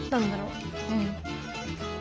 うん。